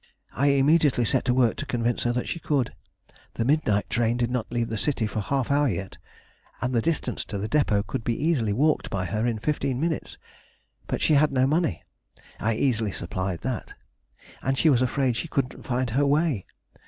I immediately set to work to convince her that she could. The midnight train did not leave the city for a half hour yet, and the distance to the depot could be easily walked by her in fifteen minutes. But she had no money! I easily supplied that. And she was afraid she couldn't find her way!